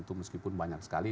tentu meskipun banyak sekali